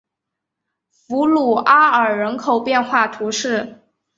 弗鲁阿尔人口变化图示